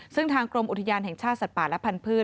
ซึ่งทางกรมอุทยานแห่งชาติสัตว์ป่าและพันธุ์